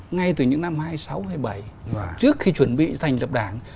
ngay từ những năm hai mươi sáu hai mươi bảy trước khi chuẩn bị thành lập đảng